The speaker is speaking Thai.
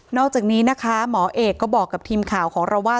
อกจากนี้นะคะหมอเอกก็บอกกับทีมข่าวของเราว่า